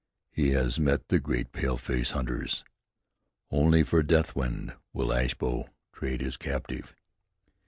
He has met the great paleface hunters. Only for Deathwind will Ashbow trade his captive."